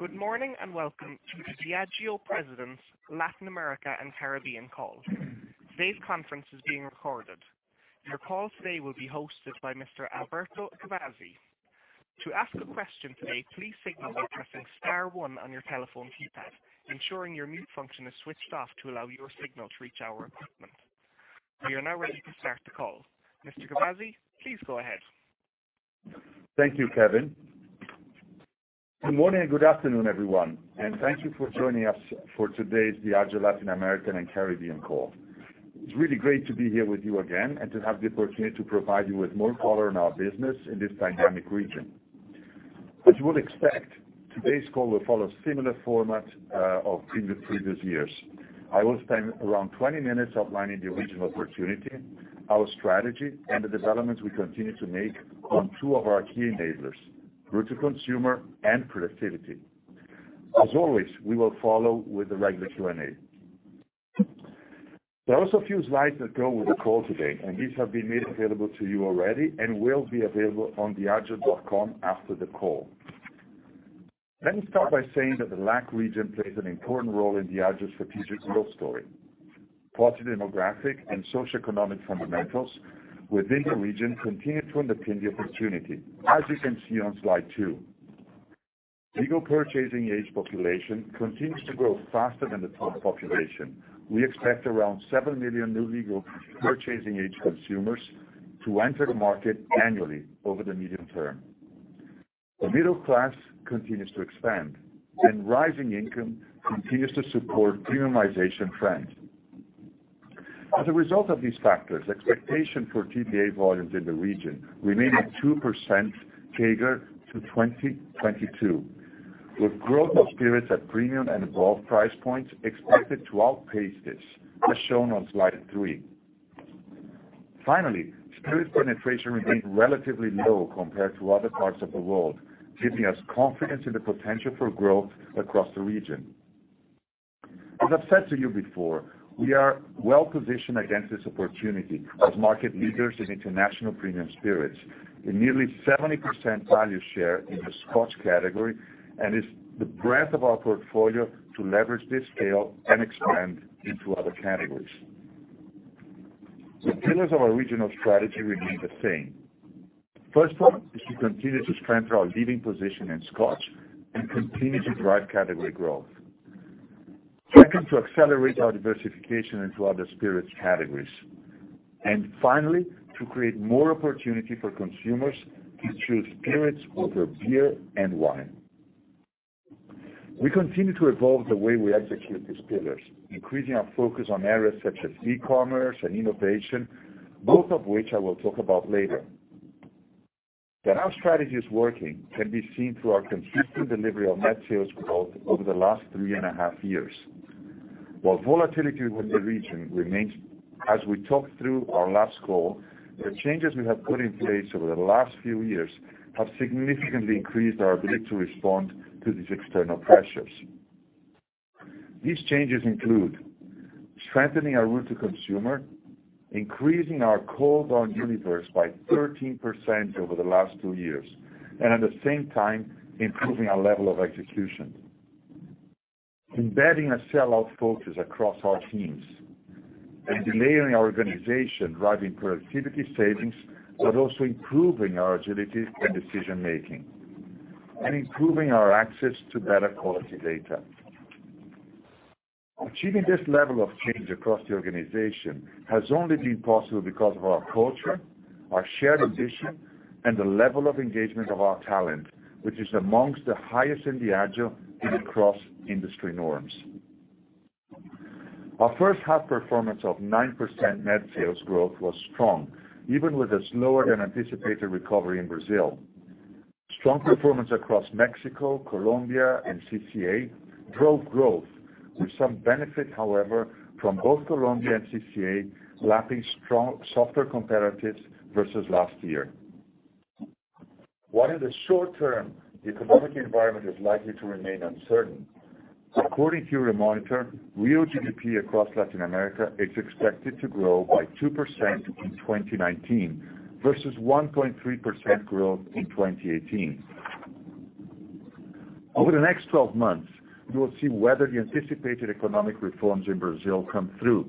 Good morning, welcome to the Diageo President's Latin America and Caribbean call. Today's conference is being recorded. Your call today will be hosted by Mr. Alberto Gavazzi. To ask a question today, please signal by pressing star one on your telephone keypad, ensuring your mute function is switched off to allow your signal to reach our equipment. We are now ready to start the call. Mr. Gavazzi, please go ahead. Thank you, Kevin. Good morning, good afternoon, everyone, and thank you for joining us for today's Diageo Latin America and Caribbean call. It's really great to be here with you again and to have the opportunity to provide you with more color on our business in this dynamic region. As you would expect, today's call will follow a similar format of previous years. I will spend around 20 minutes outlining the regional opportunity, our strategy, and the developments we continue to make on two of our key enablers, route to consumer and productivity. As always, we will follow with the regular Q&A. These have been made available to you already and will be available on diageo.com after the call. Let me start by saying that the LAC region plays an important role in Diageo's strategic growth story. Positive demographic and socioeconomic fundamentals within the region continue to underpin the opportunity, as you can see on slide two. Legal purchasing age population continues to grow faster than the total population. We expect around seven million new legal purchasing age consumers to enter the market annually over the medium term. The middle class continues to expand, and rising income continues to support premiumization trends. As a result of these factors, expectation for TBA volumes in the region remain at 2% CAGR to 2022, with growth of spirits at premium and above price points expected to outpace this, as shown on slide three. Spirit penetration remains relatively low compared to other parts of the world, giving us confidence in the potential for growth across the region. As I've said to you before, we are well positioned against this opportunity as market leaders in international premium spirits. In nearly 70% value share in the Scotch category, and it's the breadth of our portfolio to leverage this scale and expand into other categories. The pillars of our regional strategy remain the same. First one is to continue to strengthen our leading position in Scotch and continue to drive category growth. Second, to accelerate our diversification into other spirits categories. Finally, to create more opportunity for consumers to choose spirits over beer and wine. We continue to evolve the way we execute these pillars, increasing our focus on areas such as e-commerce and innovation, both of which I will talk about later. That our strategy is working can be seen through our consistent delivery of net sales growth over the last three and a half years. While volatility within the region remains, as we talked through our last call, the changes we have put in place over the last few years have significantly increased our ability to respond to these external pressures. These changes include strengthening our route to consumer, increasing our call-on universe by 13% over the last two years, and at the same time, improving our level of execution. Embedding a sell-out focus across our teams, delayering our organization, driving productivity savings, but also improving our agility and decision-making, and improving our access to better quality data. Achieving this level of change across the organization has only been possible because of our culture, our shared ambition, and the level of engagement of our talent, which is amongst the highest in Diageo and across industry norms. Our first half performance of 9% net sales growth was strong, even with a slower than anticipated recovery in Brazil. Strong performance across Mexico, Colombia and CCA drove growth with some benefit, however, from both Colombia and CCA lapping softer comparatives versus last year. While in the short term, the economic environment is likely to remain uncertain. According to Euromonitor, real GDP across Latin America is expected to grow by 2% in 2019 versus 1.3% growth in 2018. Over the next 12 months, we will see whether the anticipated economic reforms in Brazil come through.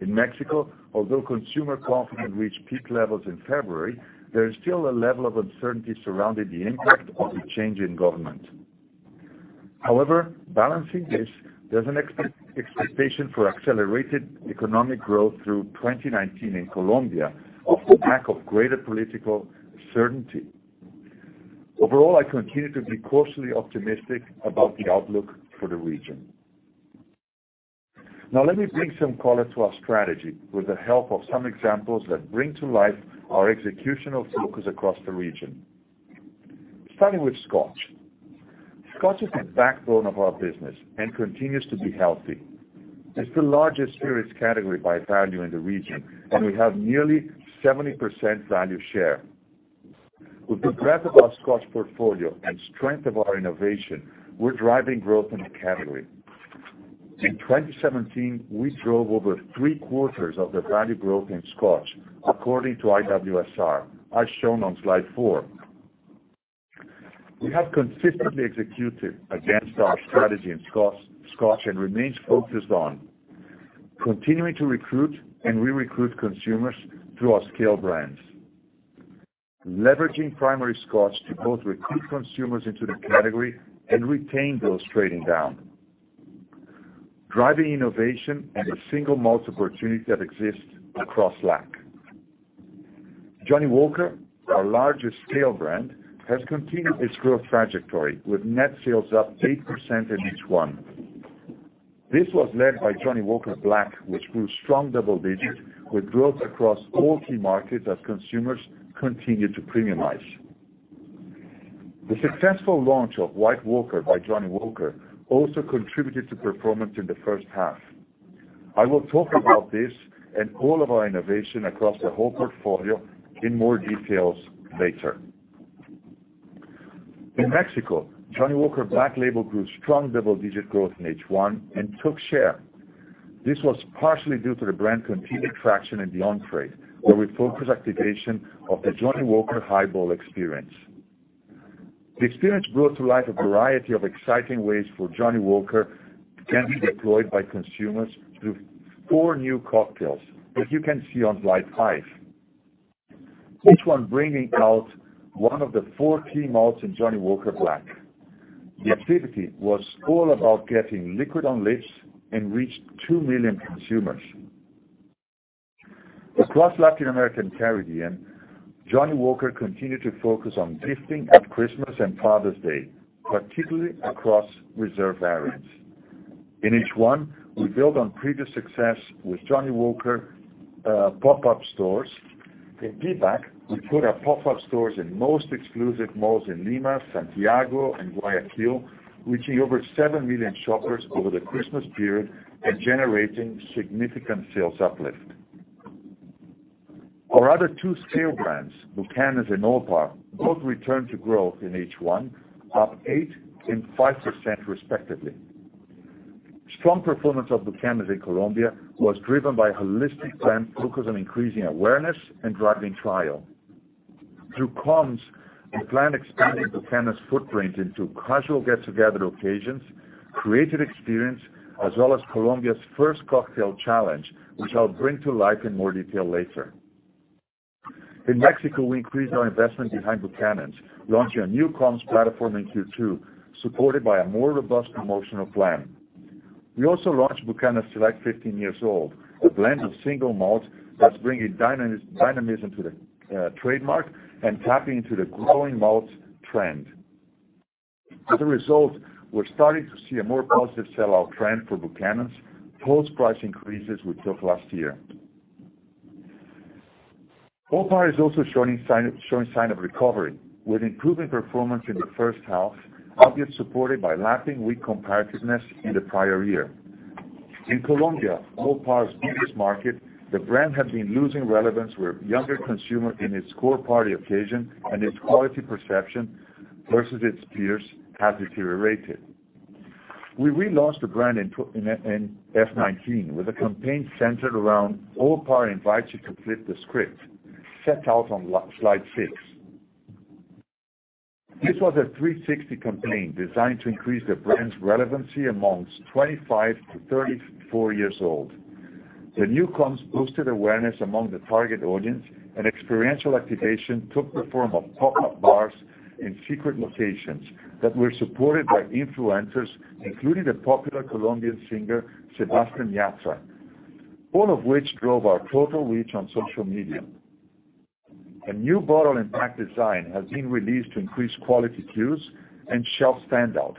In Mexico, although consumer confidence reached peak levels in February, there is still a level of uncertainty surrounding the impact of the change in government. However, balancing this, there's an expectation for accelerated economic growth through 2019 in Colombia off the back of greater political certainty. Overall, I continue to be cautiously optimistic about the outlook for the region. Now let me bring some color to our strategy with the help of some examples that bring to life our executional focus across the region. Starting with Scotch. Scotch is the backbone of our business and continues to be healthy. It's the largest spirits category by value in the region, and we have nearly 70% value share. With the breadth of our Scotch portfolio and strength of our innovation, we're driving growth in the category. In 2017, we drove over 3/4 of the value growth in Scotch, according to IWSR, as shown on slide four. We have consistently executed against our strategy in Scotch, and remain focused on continuing to recruit and re-recruit consumers through our scale brands. Leveraging primary Scotch to both recruit consumers into the category and retain those trading down. Driving innovation and the single malt opportunity that exists across LAC. Johnnie Walker, our largest scale brand, has continued its growth trajectory with net sales up 8% in H1. This was led by Johnnie Walker Black, which grew strong double digits with growth across all key markets as consumers continue to premiumize. The successful launch of White Walker by Johnnie Walker also contributed to performance in the first half. I will talk about this and all of our innovation across the whole portfolio in more details later. In Mexico, Johnnie Walker Black Label grew strong double-digit growth in H1 and took share. This was partially due to the brand continued traction in the on-trade where we focused activation of the Johnnie Walker Highball experience. The experience brought to life a variety of exciting ways for Johnnie Walker to be deployed by consumers through four new cocktails, as you can see on slide five. H1 bringing out one of the four key malts in Johnnie Walker Black. The activity was all about getting liquid on lips and reached 2 million consumers. Across Latin America and Caribbean, Johnnie Walker continued to focus on gifting at Christmas and Father's Day, particularly across reserve variants. In H1, we built on previous success with Johnnie Walker pop-up stores. In PEAC we put up pop-up stores in most exclusive malls in Lima, Santiago, and Guayaquil, reaching over 7 million shoppers over the Christmas period and generating significant sales uplift. Our other two scale brands, Buchanan's and Old Parr, both returned to growth in H1, up 8% and 5% respectively. Strong performance of Buchanan's in Colombia was driven by a holistic plan focused on increasing awareness and driving trial. Through comms, the plan expanded Buchanan's footprint into casual get-together occasions, created experience, as well as Colombia's first cocktail challenge, which I'll bring to life in more detail later. In Mexico, we increased our investment behind Buchanan's, launching a new comms platform in Q2, supported by a more robust promotional plan. We also launched Buchanan's Select 15-Year-Old, a blend of single malts that's bringing dynamism to the trademark and tapping into the growing malts trend. As a result, we're starting to see a more positive sell-out trend for Buchanan's post price increases we took last year. Old Parr is also showing sign of recovery, with improving performance in the first half, albeit supported by lapping weak comparativeness in the prior year. In Colombia, Old Parr's biggest market, the brand had been losing relevance with younger consumer in its core party occasion and its quality perception versus its peers has deteriorated. We relaunched the brand in FY 2019 with a campaign centered around Old Parr invites you to flip the script, set out on slide six. This was a 360 campaign designed to increase the brand's relevancy amongst 25 to 34 years old. The new comms boosted awareness among the target audience, and experiential activation took the form of pop-up bars in secret locations that were supported by influencers, including the popular Colombian singer, Sebastián Yatra, all of which drove our total reach on social media. A new bottle and pack design has been released to increase quality cues and shelf standout.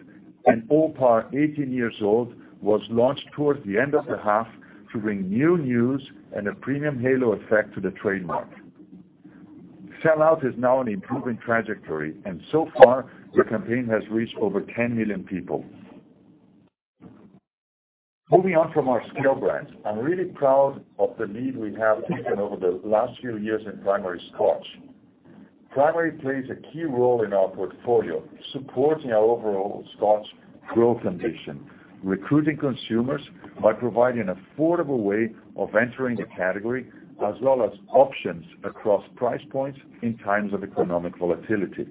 Old Parr 18 Years Old was launched towards the end of the half to bring new news and a premium halo effect to the trademark. Sell-out is now an improving trajectory, and so far, the campaign has reached over 10 million people. Moving on from our scale brands, I'm really proud of the lead we have taken over the last few years in primary Scotch. Primary plays a key role in our portfolio, supporting our overall Scotch growth ambition, recruiting consumers by providing an affordable way of entering the category, as well as options across price points in times of economic volatility.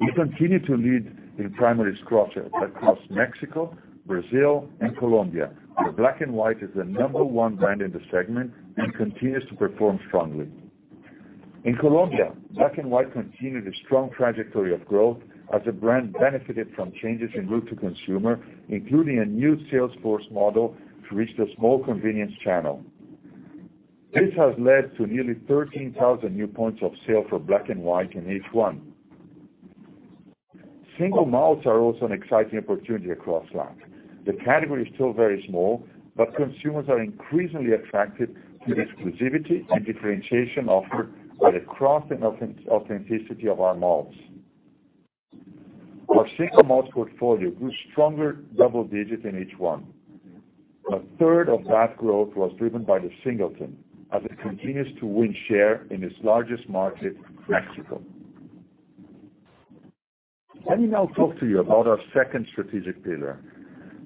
We continue to lead in primary Scotch across Mexico, Brazil, and Colombia, where Black & White is the number one brand in the segment and continues to perform strongly. In Colombia, Black & White continued a strong trajectory of growth as the brand benefited from changes in route to consumer, including a new sales force model to reach the small convenience channel. This has led to nearly 13,000 new points of sale for Black & White in H1. Single malts are also an exciting opportunity across LAC. The category is still very small, but consumers are increasingly attracted to the exclusivity and differentiation offered by the craft and authenticity of our malts. Our single malt portfolio grew stronger double digits in H1. A third of that growth was driven by The Singleton, as it continues to win share in its largest market, Mexico. Let me now talk to you about our second strategic pillar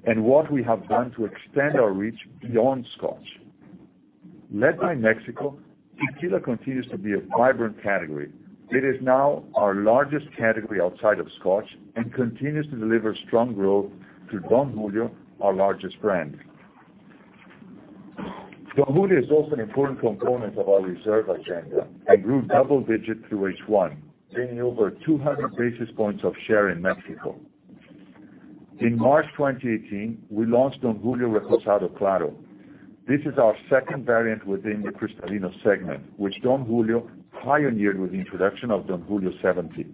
and what we have done to extend our reach beyond Scotch. Led by Mexico, tequila continues to be a vibrant category. It is now our largest category outside of Scotch and continues to deliver strong growth to Don Julio, our largest brand. Don Julio is also an important component of our reserve agenda and grew double digits through H1, gaining over 200 basis points of share in Mexico. In March 2018, we launched Don Julio Reposado Claro. This is our second variant within the Cristalino segment, which Don Julio pioneered with the introduction of Don Julio 70.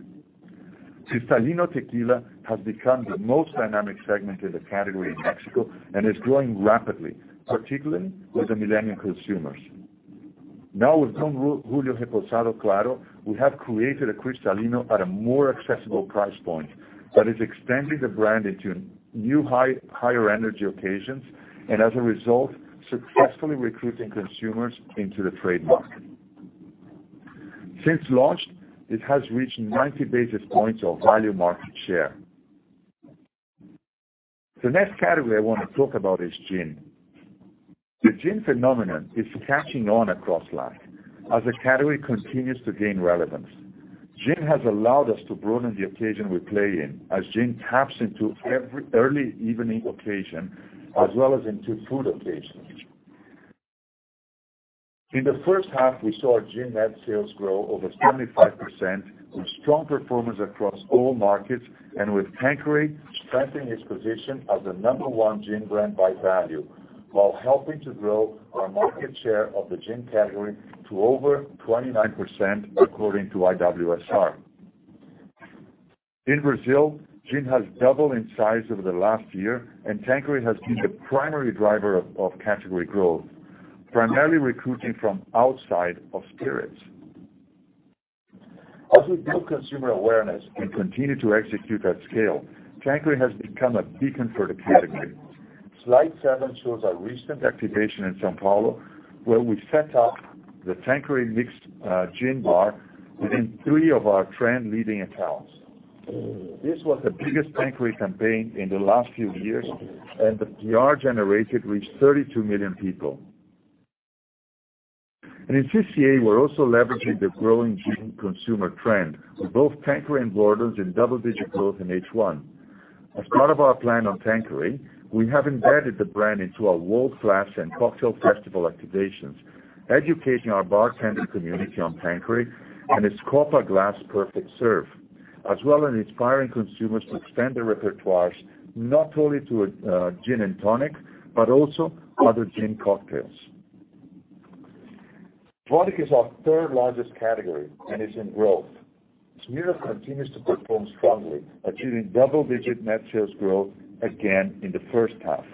Cristalino tequila has become the most dynamic segment in the category in Mexico and is growing rapidly, particularly with the millennial consumers. Now with Don Julio Reposado Claro, we have created a Cristalino at a more accessible price point that is extending the brand into new higher energy occasions and as a result, successfully recruiting consumers into the trademark. Since launch, it has reached 90 basis points of volume market share. The next category I want to talk about is gin. The gin phenomenon is catching on across LAC as the category continues to gain relevance. Gin has allowed us to broaden the occasion we play in, as gin taps into every early evening occasion as well as into food occasions. In the first half, we saw gin net sales grow over 25% with strong performance across all markets and with Tanqueray strengthening its position as the number one gin brand by value, while helping to grow our market share of the gin category to over 29%, according to IWSR. In Brazil, gin has doubled in size over the last year, and Tanqueray has been the primary driver of category growth, primarily recruiting from outside of spirits. As we build consumer awareness and continue to execute at scale, Tanqueray has become a beacon for the category. Slide seven shows our recent activation in São Paulo, where we set up the Tanqueray mixed gin bar within three of our trend-leading accounts. This was the biggest Tanqueray campaign in the last few years, and the PR generated reached 32 million people. In CCA, we're also leveraging the growing gin consumer trend with both Tanqueray and Gordon's in double-digit growth in H1. As part of our plan on Tanqueray, we have embedded the brand into our World Class and cocktail festival activations, educating our bartender community on Tanqueray and its copa glass perfect serve, as well as inspiring consumers to expand their repertoires, not only to gin and tonic, but also other gin cocktails. Vodka is our third-largest category and is in growth. Smirnoff continues to perform strongly, achieving double-digit net sales growth again in the first half.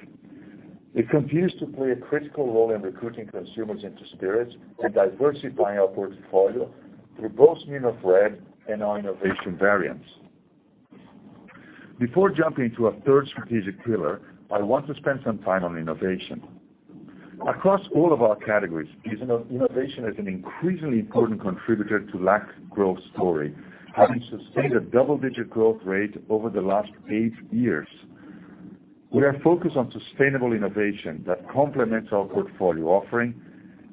It continues to play a critical role in recruiting consumers into spirits and diversifying our portfolio through both Smirnoff Red and our innovation variants. Before jumping to our third strategic pillar, I want to spend some time on innovation. Across all of our categories, innovation is an increasingly important contributor to LAC growth story, having sustained a double-digit growth rate over the last eight years. We are focused on sustainable innovation that complements our portfolio offering,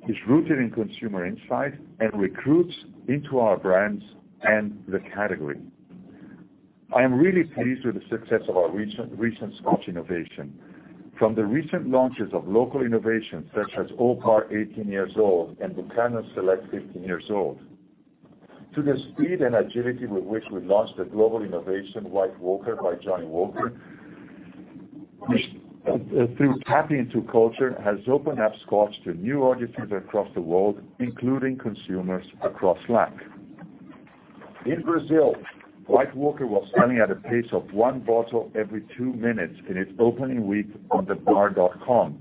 is rooted in consumer insight, and recruits into our brands and the category. I am really pleased with the success of our recent Scotch innovation. From the recent launches of local innovations such as Auchentoshan 18 Year Old and Buchanan's Select 15-Year-Old, to the speed and agility with which we launched the global innovation White Walker by Johnnie Walker, which through tapping into culture, has opened up Scotch to new audiences across the world, including consumers across LAC. In Brazil, White Walker was selling at a pace of one bottle every two minutes in its opening week on TheBar.com,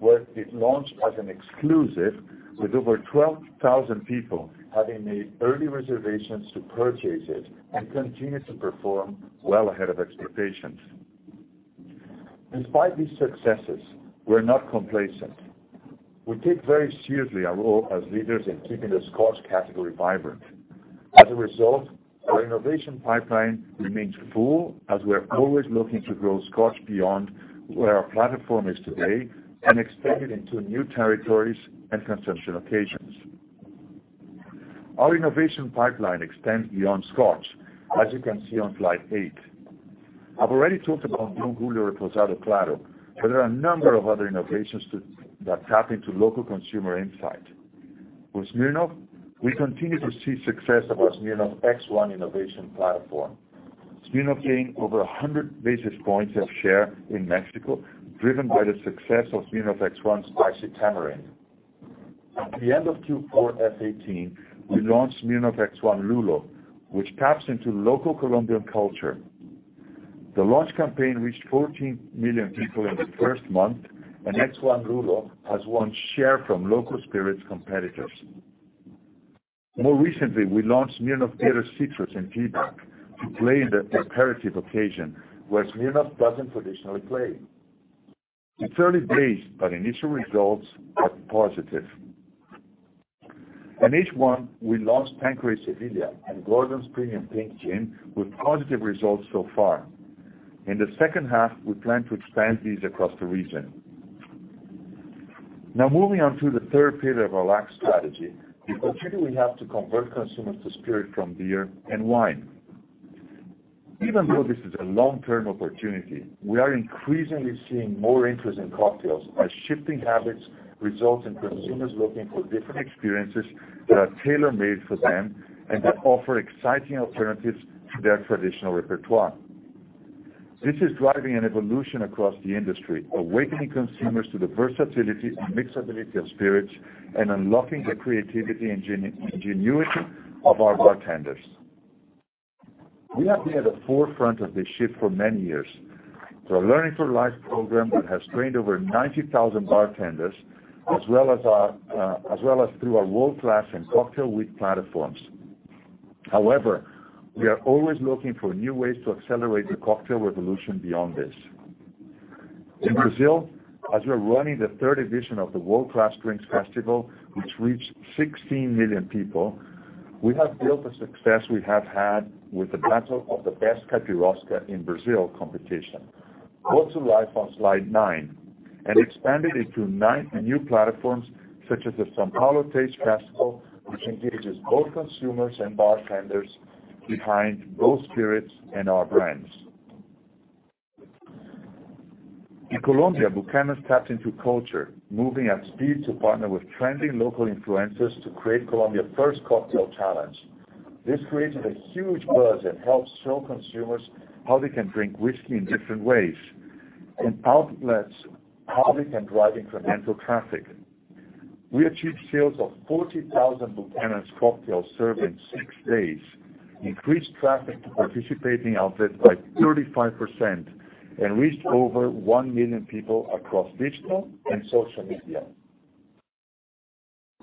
where it launched as an exclusive with over 12,000 people having made early reservations to purchase it and continue to perform well ahead of expectations. Despite these successes, we're not complacent. We take very seriously our role as leaders in keeping the Scotch category vibrant. As a result, our innovation pipeline remains full as we're always looking to grow Scotch beyond where our platform is today and expand it into new territories and consumption occasions. Our innovation pipeline extends beyond Scotch, as you can see on slide eight. I've already talked about Don Julio Reposado Claro, but there are a number of other innovations that tap into local consumer insight. With Smirnoff, we continue to see success of our Smirnoff X1 innovation platform. Smirnoff gained over 100 basis points of share in Mexico, driven by the success of Smirnoff X1 Spicy Tamarind. At the end of Q4 FY 2018, we launched Smirnoff X1 Lulo, which taps into local Colombian culture. The launch campaign reached 14 million people in the first month, and X1 Lulo has won share from local spirits competitors. More recently, we launched Smirnoff Bitter Citrus in PEAC to play in the aperitif occasion, where Smirnoff doesn't traditionally play. It's early days, but initial results are positive. In H1, we launched Tanqueray Sevilla and Gordon's Premium Pink Gin with positive results so far. In the second half, we plan to expand these across the region. Now moving on to the third pillar of our LAC strategy. To continue, we have to convert consumers to spirit from beer and wine. Even though this is a long-term opportunity, we are increasingly seeing more interest in cocktails as shifting habits result in consumers looking for different experiences that are tailor-made for them and that offer exciting alternatives to their traditional repertoire. This is driving an evolution across the industry, awakening consumers to the versatility and mixability of spirits, and unlocking the creativity and ingenuity of our bartenders. We have been at the forefront of this shift for many years through our Learning for Life program, that has trained over 90,000 bartenders, as well as through our World Class and Cocktail Week platforms. However, we are always looking for new ways to accelerate the cocktail revolution beyond this. In Brazil, as we are running the third edition of the World Class Drinks Festival, which reached 16 million people, we have built the success we have had with the Battle of the Best Caipiroska in Brazil competition, brought to life on slide nine, and expanded into nine new platforms such as the Taste São Paulo Festival, which engages both consumers and bartenders behind both spirits and our brands. In Colombia, Buchanan's tapped into culture, moving at speed to partner with trendy local influencers to create Colombia's first cocktail challenge. This created a huge buzz and helped show consumers how they can drink whiskey in different ways, in outlets, how they can drive incremental traffic. We achieved sales of 40,000 Buchanan's cocktails served in six days, increased traffic to participating outlets by 35%, and reached over 1 million people across digital and social media.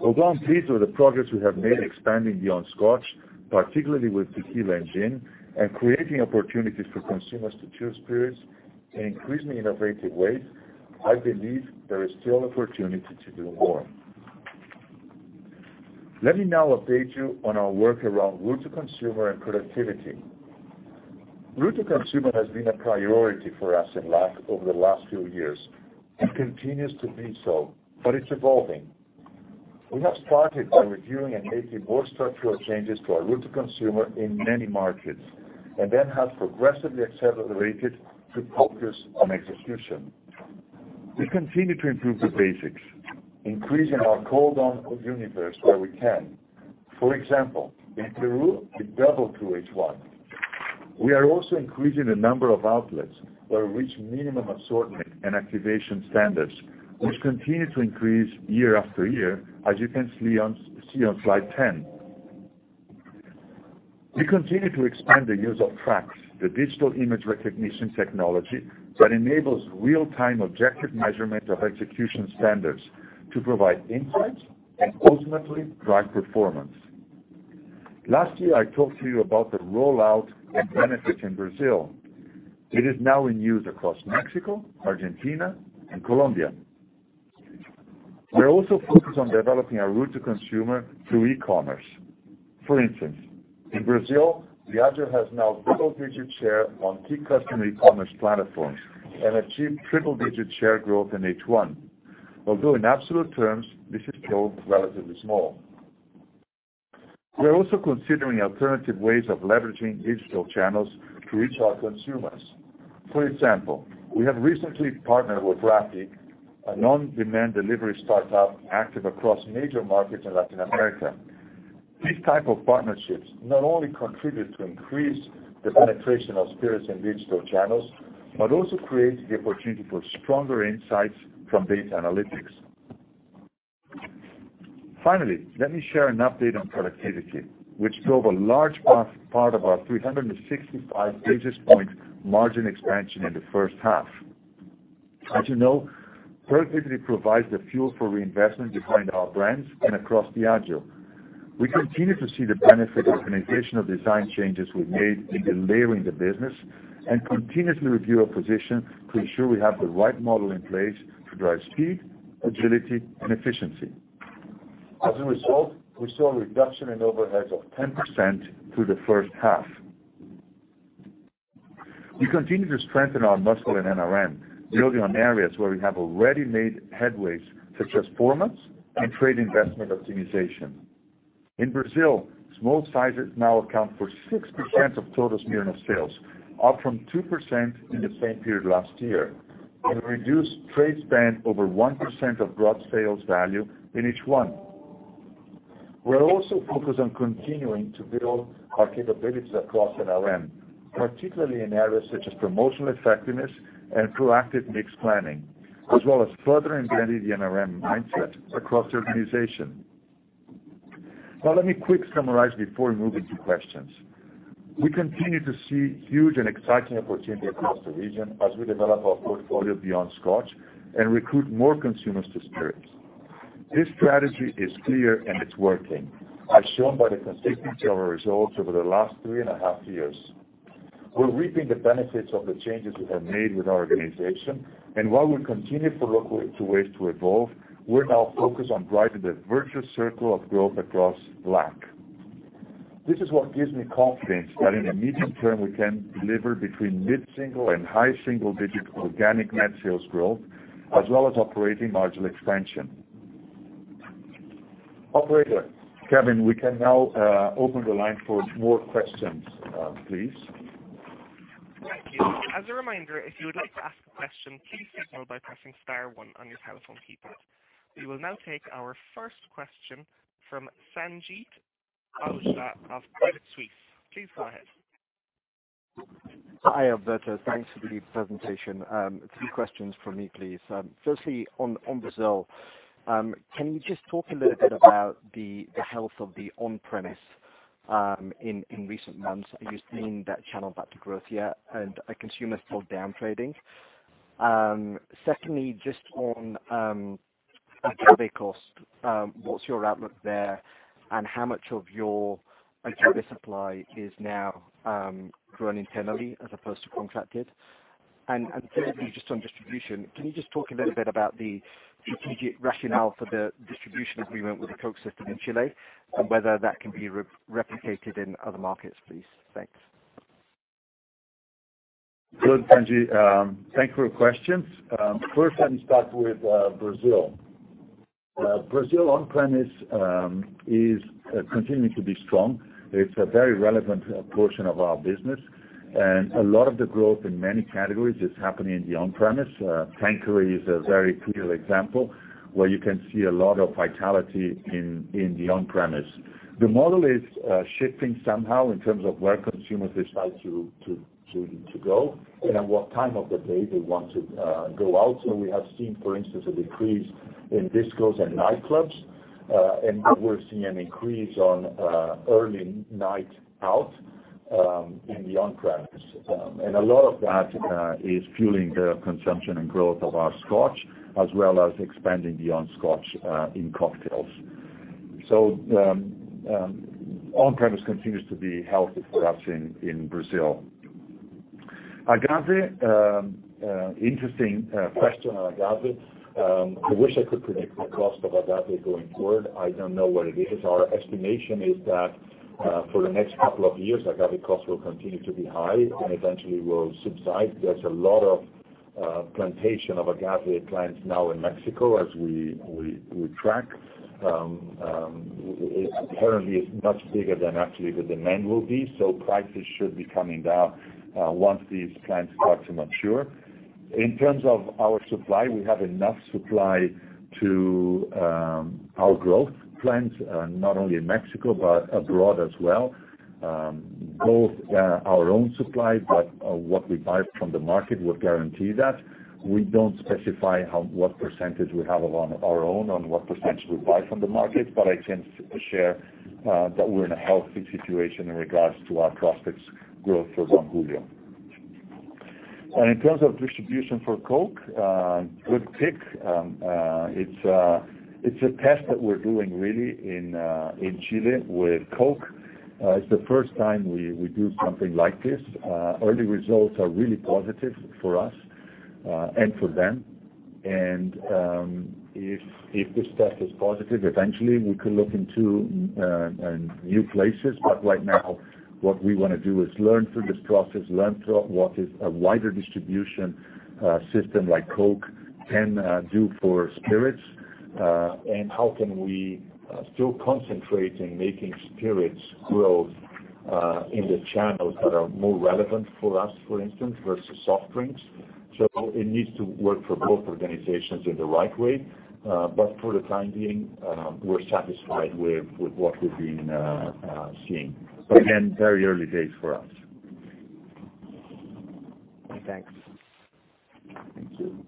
Although these are the progress we have made expanding beyond Scotch, particularly with tequila and gin, and creating opportunities for consumers to choose spirits in increasingly innovative ways, I believe there is still opportunity to do more. Let me now update you on our work around route to consumer and productivity. Route to consumer has been a priority for us in LAC over the last few years and continues to be so, but it's evolving. We have started by reviewing and making more structural changes to our route to consumer in many markets. Then have progressively accelerated to focus on execution. We continue to improve the basics, increasing our called-on universe where we can. For example, in Peru, we doubled through H1. We are also increasing the number of outlets that reach minimum assortment and activation standards, which continue to increase year after year, as you can see on slide 10. We continue to expand the use of Trax, the digital image recognition technology that enables real-time objective measurement of execution standards to provide insights and ultimately drive performance. Last year, I talked to you about the rollout and benefit in Brazil. It is now in use across Mexico, Argentina, and Colombia. We are also focused on developing our route to consumer through e-commerce. For instance, in Brazil, Diageo has now double-digit share on key customer e-commerce platforms and achieved triple-digit share growth in H1. Although in absolute terms, this is still relatively small. We are also considering alternative ways of leveraging digital channels to reach our consumers. For example, we have recently partnered with Rappi, an on-demand delivery startup active across major markets in Latin America. These type of partnerships not only contribute to increase the penetration of spirits in digital channels, but also create the opportunity for stronger insights from data analytics. Finally, let me share an update on productivity, which drove a large part of our 365 basis point margin expansion in the first half. As you know, productivity provides the fuel for reinvestment behind our brands and across Diageo. We continue to see the benefit of the organizational design changes we've made in de-layering the business, and continuously review our position to ensure we have the right model in place to drive speed, agility, and efficiency. As a result, we saw a reduction in overheads of 10% through the first half. We continue to strengthen our muscle in NRM, building on areas where we have already made headways, such as formats and trade investment optimization. In Brazil, small sizes now account for 6% of total spirits sales, up from 2% in the same period last year, and reduced trade spend over 1% of gross sales value in H1. We're also focused on continuing to build our capabilities across NRM, particularly in areas such as promotional effectiveness and proactive mix planning, as well as further embedding the NRM mindset across the organization. Now, let me quickly summarize before we move into questions. We continue to see huge and exciting opportunity across the region as we develop our portfolio beyond Scotch and recruit more consumers to spirits. This strategy is clear, and it's working, as shown by the consistency of our results over the last three and a half years. We're reaping the benefits of the changes we have made with our organization, and while we continue to look for ways to evolve, we're now focused on driving the virtuous circle of growth across LAC. This is what gives me confidence that in the medium term, we can deliver between mid-single and high single-digit organic net sales growth, as well as operating marginal expansion. Operator. Kevin, we can now open the line for more questions, please. Thank you. As a reminder, if you would like to ask a question, please signal by pressing star one on your telephone keypad. We will now take our first question from Sanjeet Aujla of Credit Suisse. Please go ahead. Hi, Alberto. Thanks for the presentation. Three questions from me, please. Firstly, on Brazil. Can you just talk a little bit about the health of the on-premise in recent months? Are you seeing that channel back to growth yet, and are consumers still down trading? Secondly, just on agave cost. What's your outlook there, and how much of your agave supply is now grown internally as opposed to contracted? And thirdly, just on distribution, can you just talk a little bit about the strategic rationale for the distribution agreement with the Coca-Cola system in Chile, and whether that can be replicated in other markets, please? Thanks. Good, Sanjeet. Thank you for your questions. First let me start with Brazil. Brazil on-premise is continuing to be strong. It is a very relevant portion of our business, and a lot of the growth in many categories is happening in the on-premise. Tequila is a very clear example where you can see a lot of vitality in the on-premise. The model is shifting somehow in terms of where consumers decide to go, and at what time of the day they want to go out. We have seen, for instance, a decrease in discos and nightclubs, and we are seeing an increase on early night out in the on-premise. A lot of that is fueling the consumption and growth of our Scotch, as well as expanding beyond Scotch in cocktails. On-premise continues to be healthy for us in Brazil. Agave. Interesting question on agave. I wish I could predict the cost of agave going forward. I do not know what it is. Our estimation is that for the next couple of years, agave cost will continue to be high and eventually will subside. There is a lot of plantation of agave plants now in Mexico as we track. Apparently, it is much bigger than actually the demand will be. Prices should be coming down once these plants start to mature. In terms of our supply, we have enough supply to our growth plans, not only in Mexico but abroad as well. Both our own supply, but what we buy from the market would guarantee that. We do not specify what percentage we have of our own and what percentage we buy from the market. I can share that we are in a healthy situation in regards to our prospects growth for Don Julio. In terms of distribution for Coca-Cola, good pick. It is a test that we are doing really in Chile with Coca-Cola. It is the first time we do something like this. Early results are really positive for us and for them. If this test is positive, eventually we could look into new places. Right now, what we want to do is learn through this process, learn what is a wider distribution system like Coca-Cola can do for spirits. How can we still concentrate in making spirits grow in the channels that are more relevant for us, for instance, versus soft drinks. It needs to work for both organizations in the right way. For the time being, we are satisfied with what we have been seeing. Again, very early days for us. Thanks. Thank you.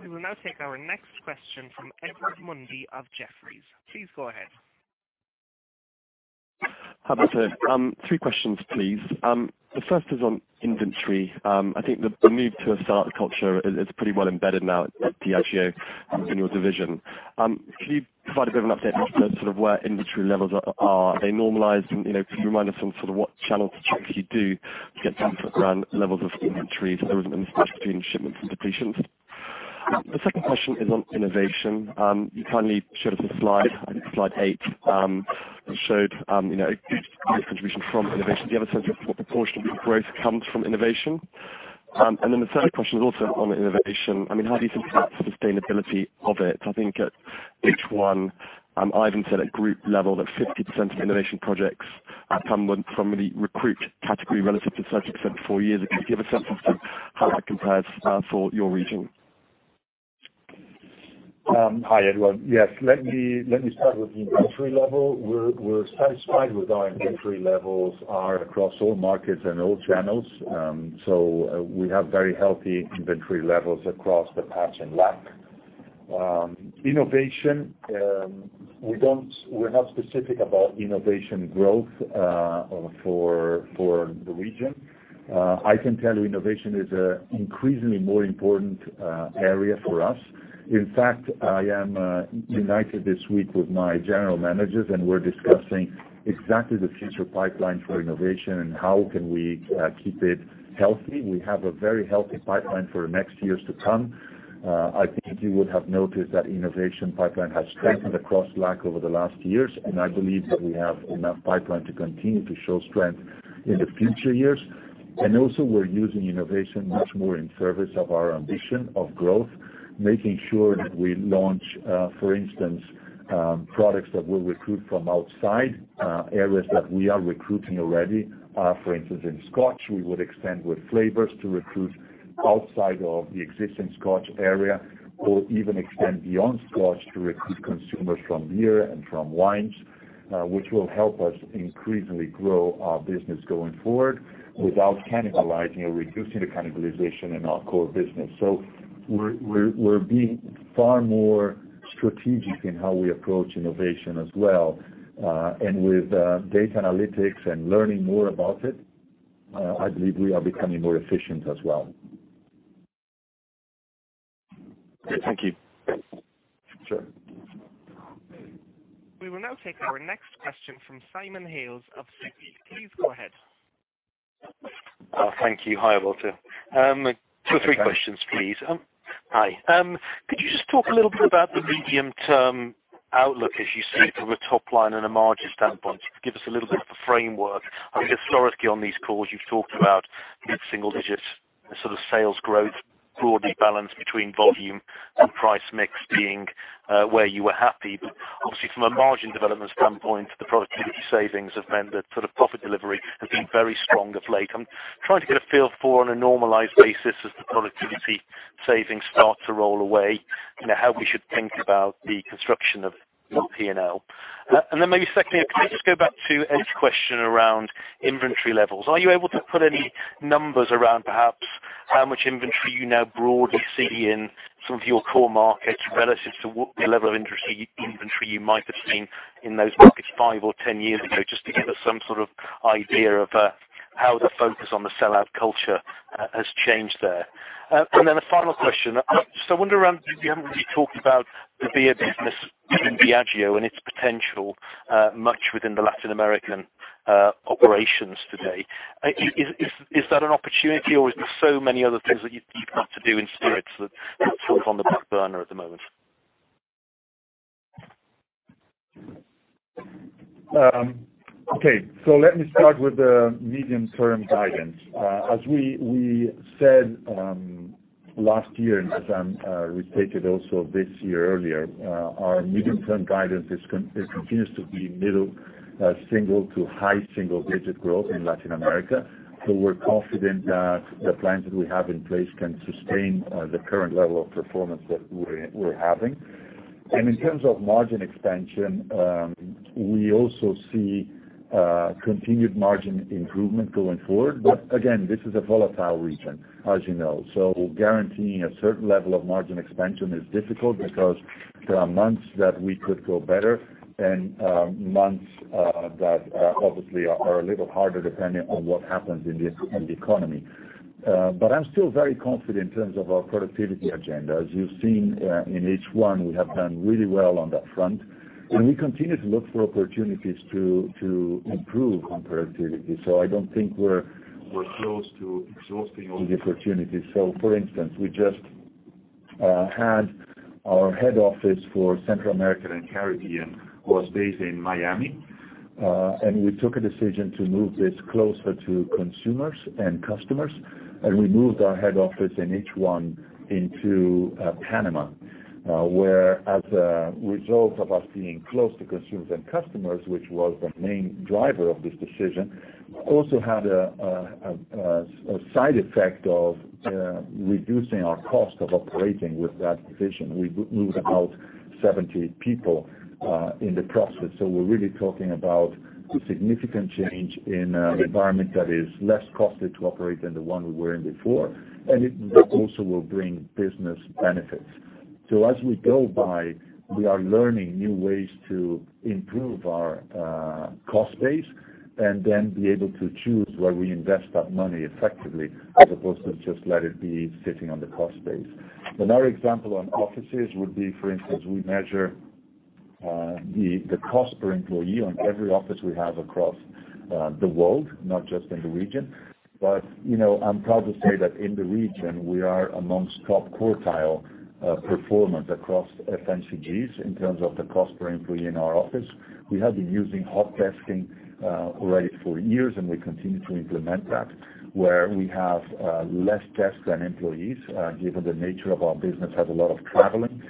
We will now take our next question from Edward Mundy of Jefferies. Please go ahead. Hi, Alberto. Three questions, please. The first is on inventory. I think the move to a startup culture is pretty well embedded now at Diageo in your division. Can you provide a bit of an update as to sort of where inventory levels are? Are they normalized? Can you remind us on sort of what channel checks you do to get to the ground levels of inventories, so there is a mismatch between shipments and depletions? The second question is on innovation. You kindly showed us a slide, I think slide eight, that showed unit contribution from innovation. Do you have a sense of what proportion of your growth comes from innovation? Then the third question is also on innovation. How do you think about sustainability of it? I think at H1, Ivan said at group level that 50% of innovation projects come from the recruit category relative to 30% four years ago. Can you give a sense as to how that compares for your region? Hi, Edward. Yes, let me start with the inventory level. We're satisfied with our inventory levels are across all markets and all channels. We have very healthy inventory levels across the patch and LAC. Innovation, we're not specific about innovation growth for the region. I can tell you innovation is an increasingly more important area for us. In fact, I am united this week with my general managers, and we're discussing exactly the future pipeline for innovation and how can we keep it healthy. We have a very healthy pipeline for next years to come. I think you would have noticed that innovation pipeline has strengthened across LAC over the last years. I believe that we have enough pipeline to continue to show strength in the future years. Also, we're using innovation much more in service of our ambition of growth, making sure that we launch, for instance, products that will recruit from outside areas that we are recruiting already. For instance, in Scotch, we would extend with flavors to recruit outside of the existing Scotch area, or even extend beyond Scotch to recruit consumers from beer and from wines, which will help us increasingly grow our business going forward without cannibalizing or reducing the cannibalization in our core business. We're being far more strategic in how we approach innovation as well. With data analytics and learning more about it, I believe we are becoming more efficient as well. Thank you. Sure. We will now take our next question from Simon Hales of Citi. Please go ahead. Thank you. Hi, Alberto. Two or three questions, please. Hi. Could you just talk a little bit about the medium-term outlook as you see it from a top line and a margin standpoint? Give us a little bit of a framework. I mean, historically on these calls, you've talked about mid single digits sort of sales growth broadly balanced between volume and price mix being where you were happy. But obviously, from a margin development standpoint, the productivity savings have meant that profit delivery has been very strong of late. I'm trying to get a feel for, on a normalized basis, as the productivity savings start to roll away, how we should think about the construction of your P&L. Then maybe secondly, can I just go back to Ed's question around inventory levels? Are you able to put any numbers around perhaps how much inventory you now broadly see in some of your core markets relative to what the level of inventory you might have seen in those markets five or 10 years ago, just to give us some sort of idea of how the focus on the sell-out culture has changed there? A final question. I just wonder around, you haven't really talked about the beer business within Diageo and its potential much within the Latin American operations today. Is that an opportunity, or is there so many other things that you've got to do in spirits that it's sort of on the back burner at the moment? Okay. Let me start with the medium-term guidance. As we said last year, and as I'm repeated also this year earlier, our medium-term guidance continues to be middle single to high single digit growth in Latin America. We're confident that the plans that we have in place can sustain the current level of performance that we're having. In terms of margin expansion, we also see continued margin improvement going forward. Again, this is a volatile region, as you know. Guaranteeing a certain level of margin expansion is difficult because there are months that we could go better and months that obviously are a little harder depending on what happens in the economy. I'm still very confident in terms of our productivity agenda. As you've seen in H1, we have done really well on that front, and we continue to look for opportunities to improve on productivity. I don't think we're close to exhausting all the opportunities. For instance, we just had our head office for Central America and Caribbean was based in Miami, and we took a decision to move this closer to consumers and customers, and we moved our head office in H1 into Panama, where as a result of us being close to consumers and customers, which was the main driver of this decision, also had a side effect of reducing our cost of operating with that decision. We moved about 70 people in the process. We're really talking about a significant change in an environment that is less costly to operate than the one we were in before, and it also will bring business benefits. As we go by, we are learning new ways to improve our cost base, and be able to choose where we invest that money effectively, as opposed to just let it be sitting on the cost base. Another example on offices would be, for instance, we measure the cost per employee on every office we have across the world, not just in the region. I'm proud to say that in the region, we are amongst top quartile performance across FMCGs in terms of the cost per employee in our office. We have been using hot desking already for years, and we continue to implement that, where we have less desks than employees, given the nature of our business has a lot of traveling,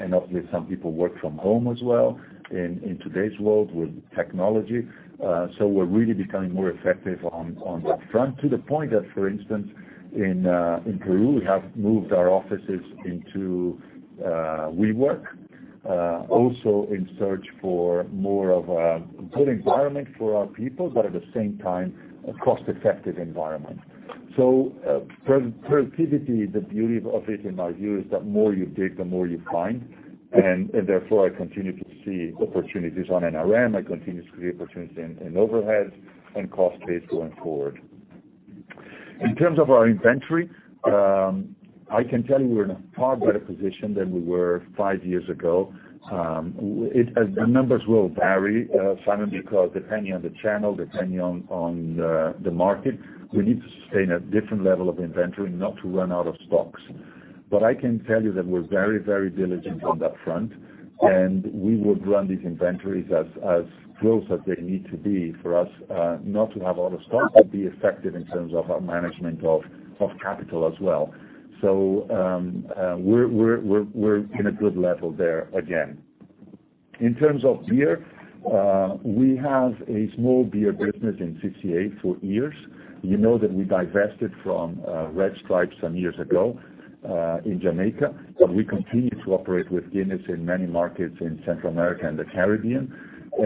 and obviously some people work from home as well in today's world with technology. We're really becoming more effective on that front to the point that, for instance, in Peru, we have moved our offices into WeWork, also in search for more of a good environment for our people, but at the same time, a cost-effective environment. Productivity, the beauty of it in my view, is the more you dig, the more you find. Therefore, I continue to see opportunities on NRM, I continue to see opportunities in overheads and cost base going forward. In terms of our inventory, I can tell you we're in a far better position than we were five years ago. The numbers will vary, Simon, because depending on the channel, depending on the market, we need to stay in a different level of inventory, not to run out of stocks. I can tell you that we're very diligent on that front, and we would run these inventories as close as they need to be for us, not to have out of stock, but be effective in terms of our management of capital as well. We're in a good level there again. In terms of beer, we have a small beer business in CCA for years. You know that we divested from Red Stripe some years ago, in Jamaica. We continue to operate with Guinness in many markets in Central America and the Caribbean.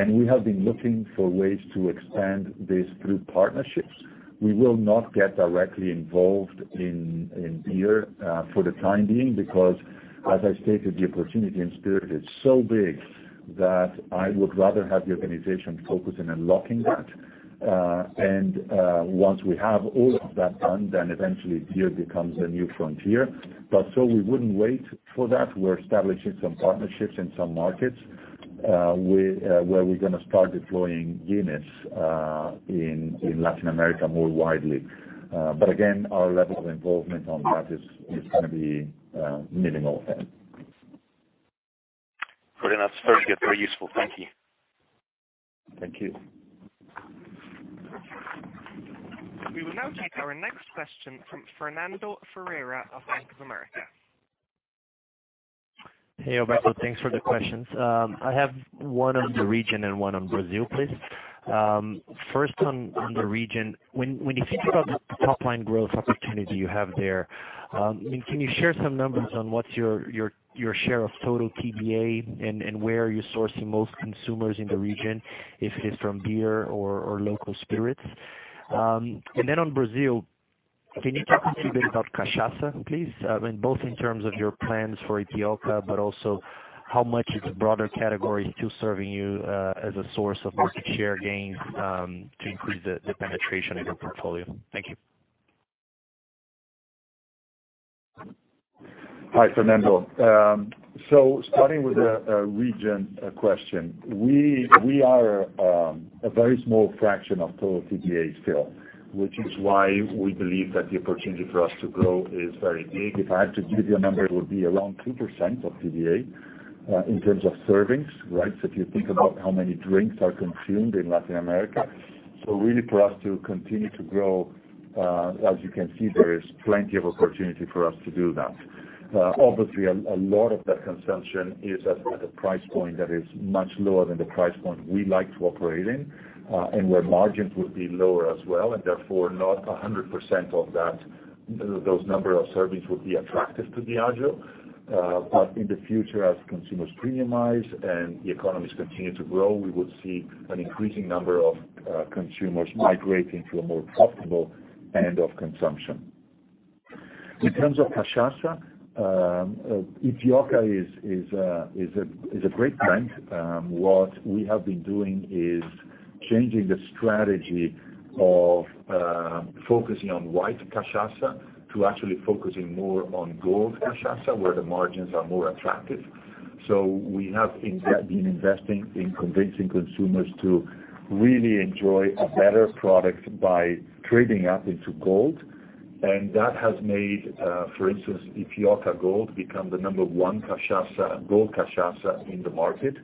We have been looking for ways to expand this through partnerships. We will not get directly involved in beer, for the time being, because as I stated, the opportunity in spirit is so big that I would rather have the organization focus on unlocking that. Once we have all of that done, eventually beer becomes the new frontier. We wouldn't wait for that. We're establishing some partnerships in some markets, where we're going to start deploying Guinness in Latin America more widely. Again, our level of involvement on that is going to be minimal there. Very useful. Thank you. Thank you. We will now take our next question from Fernando Ferreira of Bank of America. Hey, Alberto. Thanks for the questions. I have one on the region and one on Brazil, please. First on the region, when you think about the top-line growth opportunity you have there, can you share some numbers on what's your share of total TBA, and where are you sourcing most consumers in the region, if it is from beer or local spirits? Then on Brazil, can you talk a bit about Cachaça, please? Both in terms of your plans for Ypióca, but also how much its broader category is still serving you as a source of market share gains, to increase the penetration in your portfolio. Thank you. Hi, Fernando. Starting with the region question. We are a very small fraction of total TBA still, which is why we believe that the opportunity for us to grow is very big. If I had to give you a number, it would be around 2% of TBA, in terms of servings, right? If you think about how many drinks are consumed in Latin America. Really for us to continue to grow, as you can see, there is plenty of opportunity for us to do that. Obviously, a lot of that consumption is at a price point that is much lower than the price point we like to operate in, and where margins would be lower as well, and therefore not 100% of those number of servings would be attractive to Diageo. In the future, as consumers premiumize and the economies continue to grow, we would see an increasing number of consumers migrating to a more profitable end of consumption. In terms of Cachaça, Ypióca is a great brand. What we have been doing is changing the strategy of focusing on white Cachaça to actually focusing more on gold Cachaça, where the margins are more attractive. We have in that been investing in convincing consumers to really enjoy a better product by trading up into gold. That has made, for instance, Ypióca Gold become the number 1 gold Cachaça in the market.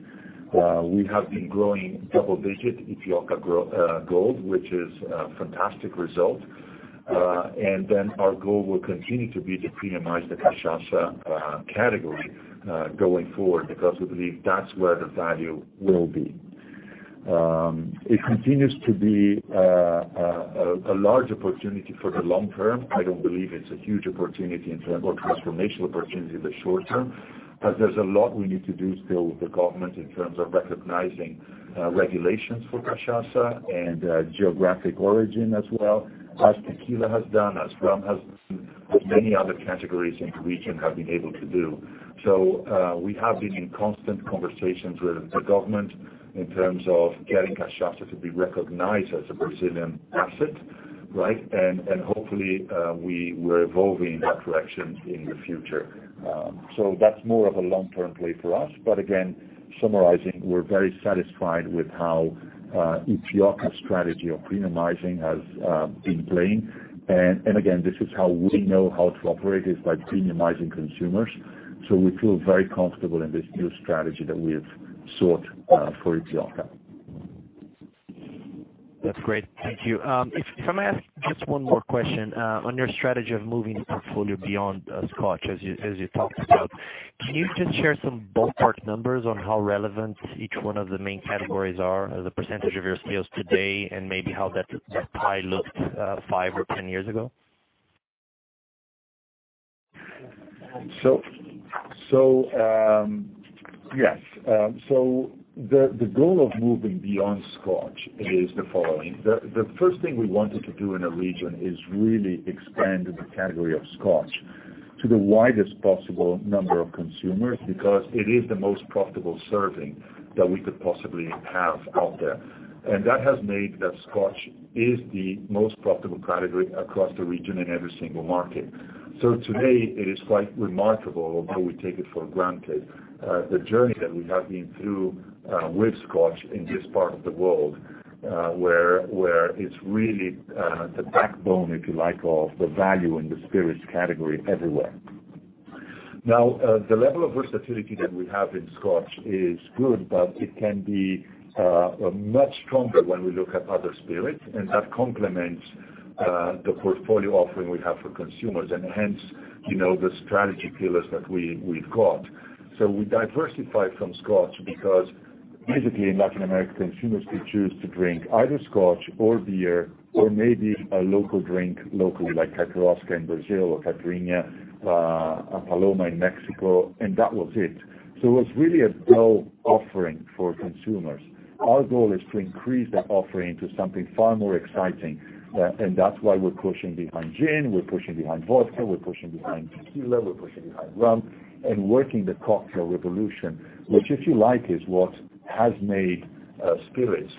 We have been growing double-digit Ypióca Gold, which is a fantastic result. Our goal will continue to be to premiumize the Cachaça category, going forward, because we believe that's where the value will be. It continues to be a large opportunity for the long term. I don't believe it's a huge opportunity or transformational opportunity in the short term, as there's a lot we need to do still with the government in terms of recognizing regulations for Cachaça and geographic origin as well, as tequila has done, as rum has done, as many other categories in the region have been able to do. We have been in constant conversations with the government in terms of getting Cachaça to be recognized as a Brazilian asset, right? Hopefully, we're evolving in that direction in the future. That's more of a long-term play for us. Again, summarizing, we're very satisfied with how Ypióca's strategy of premiumizing has been playing. Again, this is how we know how to operate, is by premiumizing consumers. We feel very comfortable in this new strategy that we have sought for Ypióca. That's great. Thank you. If I may ask just one more question, on your strategy of moving the portfolio beyond Scotch, as you talked about. Can you just share some ballpark numbers on how relevant each one of the main categories are as a percentage of your sales today, and maybe how that pie looked five or 10 years ago? Yes. The goal of moving beyond Scotch is the following. The first thing we wanted to do in a region is really expand the category of Scotch to the widest possible number of consumers, because it is the most profitable serving that we could possibly have out there. That has made that Scotch is the most profitable category across the region, in every single market. Today, it is quite remarkable although we take it for granted, the journey that we have been through with Scotch in this part of the world, where it's really the backbone, if you like, of the value in the spirits category everywhere. The level of versatility that we have in Scotch is good, but it can be much stronger when we look at other spirits, and that complements the portfolio offering we have for consumers, and hence, the strategy pillars that we've got. We diversified from Scotch because basically, in Latin America, consumers could choose to drink either Scotch or beer or maybe a local drink, local like Cachaça in Brazil or Caipirinha, Paloma in Mexico, and that was it. It was really a dull offering for consumers. Our goal is to increase that offering to something far more exciting. That's why we're pushing behind gin, we're pushing behind vodka, we're pushing behind tequila, we're pushing behind rum, and working the cocktail revolution, which, if you like, is what has made spirits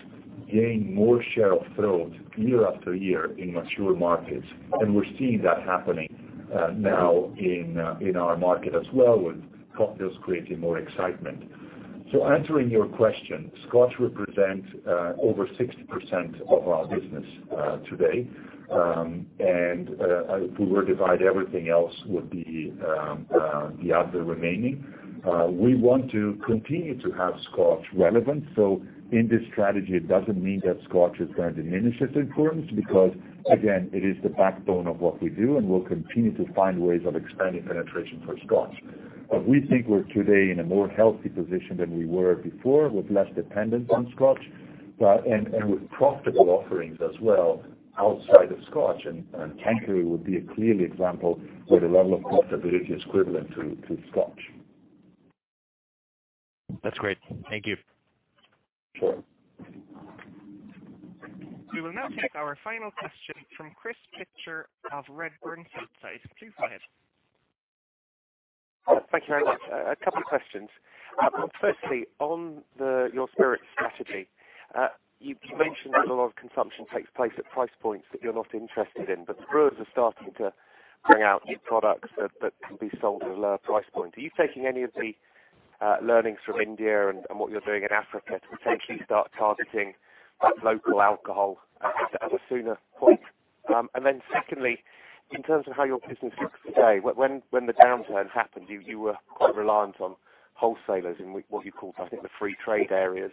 gain more share of throat year after year in mature markets. We're seeing that happening now in our market as well, with cocktails creating more excitement. Answering your question, Scotch represents over 60% of our business today. If we were to divide, everything else would be the other remaining. We want to continue to have Scotch relevant. In this strategy, it doesn't mean that Scotch is going to diminish its importance because again, it is the backbone of what we do, and we'll continue to find ways of expanding penetration for Scotch. We think we're today in a more healthy position than we were before, with less dependence on Scotch, and with profitable offerings as well outside of Scotch, and Tanqueray would be a clear example where the level of profitability is equivalent to Scotch. That's great. Thank you. Sure. We will now take our final question from Chris Pitcher of Redburn Atlantic. Please go ahead. Thank you very much. A couple of questions. Firstly, on your spirit strategy, you mentioned that a lot of consumption takes place at price points that you're not interested in, but brewers are starting to bring out new products that can be sold at a lower price point. Are you taking any of the learnings from India and what you're doing in Africa to potentially start targeting that local alcohol at a sooner point? Secondly, in terms of how your business looks today, when the downturn happened, you were quite reliant on wholesalers in what you call, I think, the free trade areas.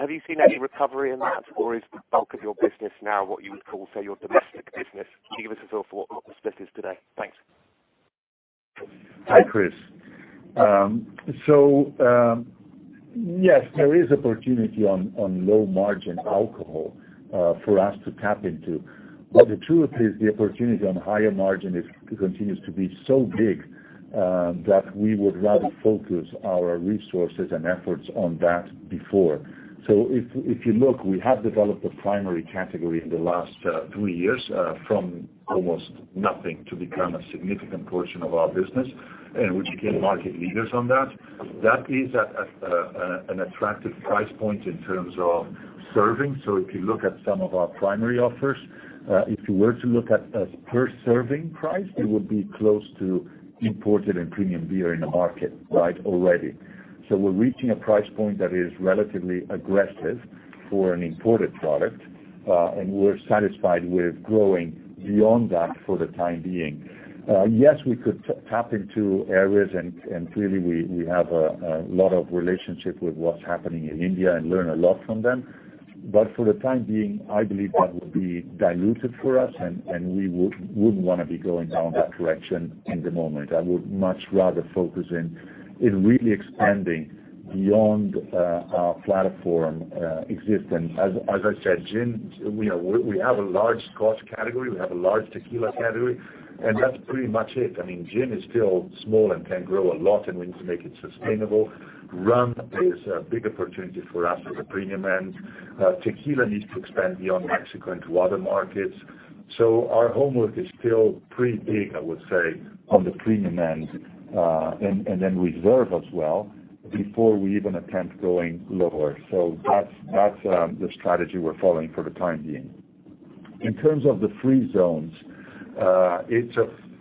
Have you seen any recovery in that, or is the bulk of your business now what you would call, say, your domestic business? Can you give us a feel for what the split is today? Thanks. Hi, Chris. Yes, there is opportunity on low-margin alcohol for us to tap into. The truth is, the opportunity on higher margin continues to be so big that we would rather focus our resources and efforts on that before. If you look, we have developed a primary category in the last two years, from almost nothing to become a significant portion of our business, and we became market leaders on that. That is at an attractive price point in terms of serving. If you look at some of our primary offers, if you were to look at as per serving price, it would be close to imported and premium beer in the market already. We're reaching a price point that is relatively aggressive for an imported product, and we're satisfied with growing beyond that for the time being. Yes, we could tap into areas, and clearly, we have a lot of relationship with what's happening in India and learn a lot from them. For the time being, I believe that would be diluted for us, and we wouldn't want to be going down that direction in the moment. I would much rather focus in really expanding beyond our platform existence. As I said, gin, we have a large Scotch category, we have a large tequila category, and that's pretty much it. Gin is still small and can grow a lot, and we need to make it sustainable. Rum is a big opportunity for us at the premium end. Tequila needs to expand beyond Mexico into other markets. Our homework is still pretty big, I would say, on the premium end. Reserve as well, before we even attempt going lower. That's the strategy we're following for the time being. In terms of the free zones,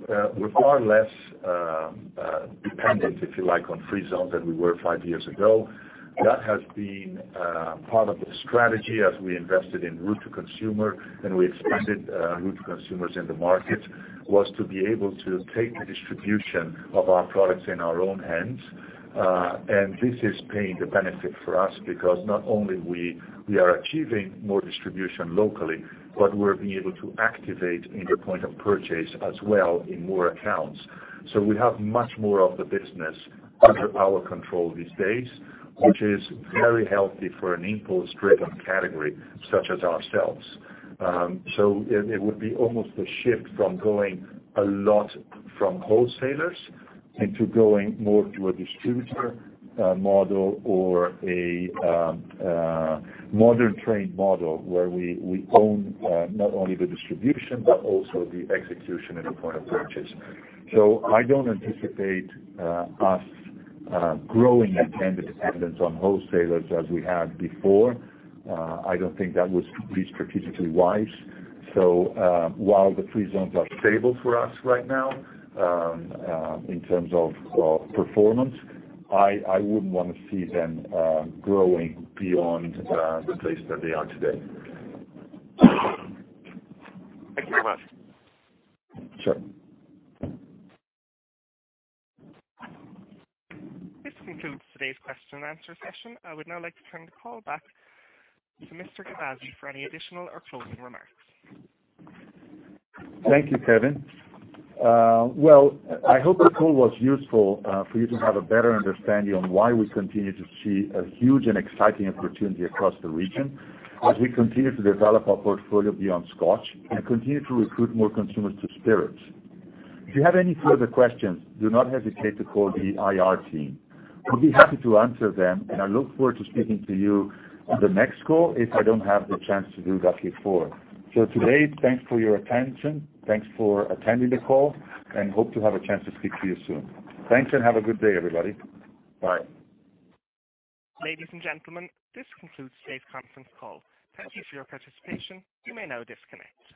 we're far less dependent, if you like, on free zones than we were five years ago. That has been part of the strategy as we invested in route to consumer, and we expanded route to consumers in the market, was to be able to take the distribution of our products in our own hands. This is paying the benefit for us because not only we are achieving more distribution locally, but we're being able to activate in the point of purchase as well in more accounts. We have much more of the business under our control these days, which is very healthy for an impulse-driven category such as ourselves. It would be almost a shift from going a lot from wholesalers into going more to a distributor model or a modern trade model, where we own not only the distribution but also the execution at the point of purchase. I don't anticipate us growing and becoming dependent on wholesalers as we had before. I don't think that would be strategically wise. While the free zones are stable for us right now in terms of performance, I wouldn't want to see them growing beyond the place that they are today. Thank you very much. Sure. This concludes today's question and answer session. I would now like to turn the call back to Mr. Gavazzi for any additional or closing remarks. Thank you, Kevin. Well, I hope the call was useful for you to have a better understanding on why we continue to see a huge and exciting opportunity across the region as we continue to develop our portfolio beyond Scotch and continue to recruit more consumers to spirits. If you have any further questions, do not hesitate to call the IR team. We will be happy to answer them, and I look forward to speaking to you on the next call if I do not have the chance to do that before. Today, thanks for your attention. Thanks for attending the call, and hope to have a chance to speak to you soon. Thanks, and have a good day, everybody. Bye. Ladies and gentlemen, this concludes today's conference call. Thank you for your participation. You may now disconnect.